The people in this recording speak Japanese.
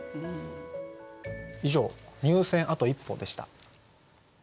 以上「入選あと一歩」でした。